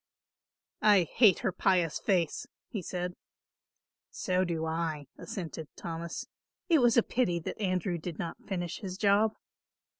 "I hate her pious face," he said. "So do I," assented Thomas. "It was a pity that Andrew did not finish his job."